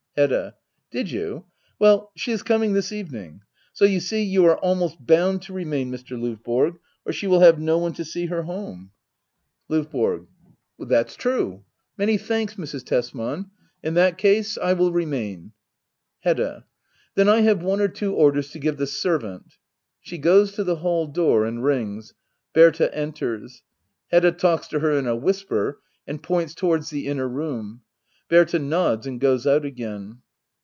Hedda. Did you ? Well, she is coming this evening. So you see you are almost bound to remain, Mr. Lovborg, or she will have no one to see her home. Digitized by Google 90 HEDDA OABLER. [aCT IL LOYBORO. That's true. Many thanks^ Mrs. Tesman— in that case I will remain. Hedda. Then I have one or two orders to give the servant [She goes to the hall door and rings. Berta enters. Hedda talks to her in a whisper, and points towards the inner room. Berta nods and goes ovi again.